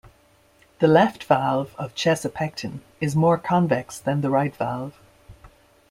The left valve of "Chesapecten" is more convex than the right valve.